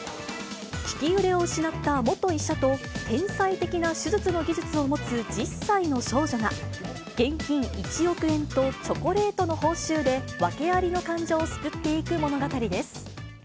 利き腕を失った元医者と、天才的な手術の技術を持つ１０歳の少女が、現金１億円とチョコレートの報酬で、訳ありの患者を救っていく物語です。